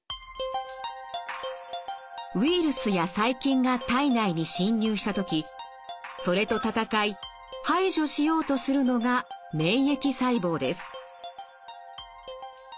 ウイルスや細菌が体内に侵入した時それと戦い排除しようとするのが免疫細胞です。